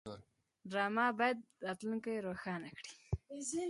ډرامه باید راتلونکی روښانه کړي